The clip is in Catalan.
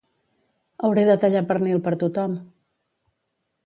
Hauré de tallar pernil per tothom